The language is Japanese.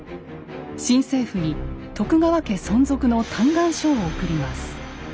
新政府に徳川家存続の嘆願書を送ります。